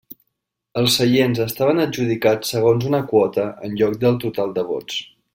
Els seients estaven adjudicats segons una quota en lloc del total de vots.